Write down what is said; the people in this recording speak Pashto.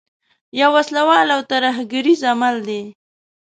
یو وسله وال او ترهګریز عمل دی.